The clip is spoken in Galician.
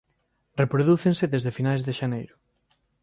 Reprodúcense desde finais de xaneiro.